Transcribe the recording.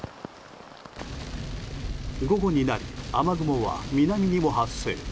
午後になり雨雲は南にも発生。